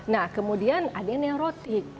nah kemudian ada neurotik